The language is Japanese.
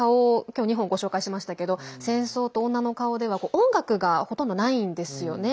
きょう２本ご紹介しましたけど「戦争と女の顔」では音楽が、ほとんどないんですよね。